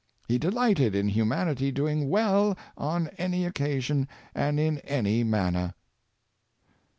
He delighted in humanity doing well on any occasion and in any manner."